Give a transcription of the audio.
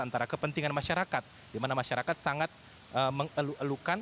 antara kepentingan masyarakat di mana masyarakat sangat mengeluhkan